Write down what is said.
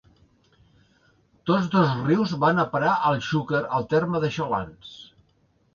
Tots dos rius van a parar al Xúquer al terme de Xalans.